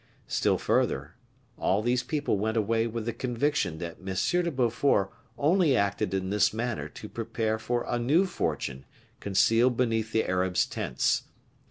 Still further; all these people went away with the conviction that M. de Beaufort only acted in this manner to prepare for a new fortune concealed beneath the Arabs' tents.